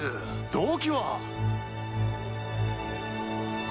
動機は？